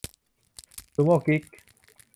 ซูโม่กิ๊ก